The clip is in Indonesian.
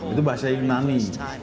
itu bahasa yunani